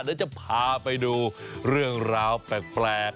เดี๋ยวจะพาไปดูเรื่องราวแปลก